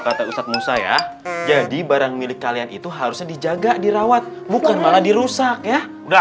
kata ustadz musa ya jadi barang milik kalian itu harusnya dijaga dirawat bukan malah dirusak ya enggak